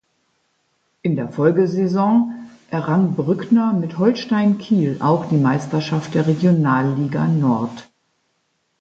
In der Folge-Saison errang Brückner mit Holstein Kiel auch die Meisterschaft der Regionalliga Nord.